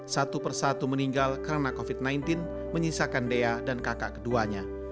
satu persatu meninggal karena covid sembilan belas menyisakan dea dan kakak keduanya